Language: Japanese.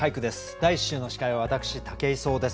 第１週の司会は私武井壮です。